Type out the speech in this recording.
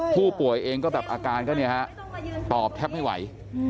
ผู้ป่วยเองก็แบบอาการก็เนี่ยฮะตอบแทบไม่ไหว